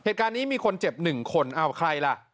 เหตุการณ์นี้มีคนเจ็บ๑คนอ้าวใครล่ะ